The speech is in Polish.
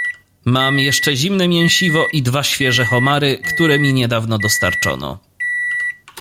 "Mam jeszcze zimne mięsiwo i dwa świeże homary, które mi niedawno dostarczono."